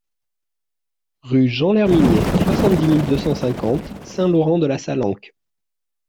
Rue Jean Lherminier, soixante-six mille deux cent cinquante Saint-Laurent-de-la-Salanque